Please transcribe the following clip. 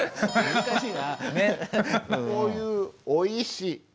難しい。